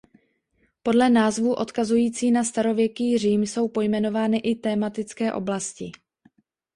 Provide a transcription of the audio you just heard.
Podle názvů odkazující na starověký Řím jsou pojmenovány i tematické oblasti.